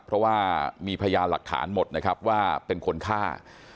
เพราะว่ามีพยานหลักฐานหมดนะครับว่าเป็นคนฆ่า